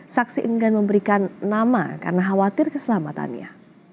saksi enggan memberikan nama karena khawatir keselamatannya